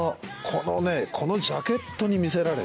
このねこのジャケットに魅せられて。